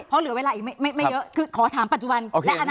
เพราะเหลือเวลาอีกไม่เยอะคือขอถามปัจจุบัน